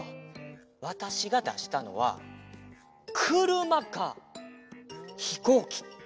わたしがだしたのはくるまかひこうき！